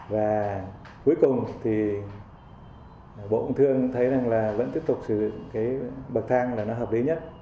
và cuối cùng thì bộ công thương thấy rằng là vẫn tiếp tục sử dụng cái bậc thang là nó hợp lý nhất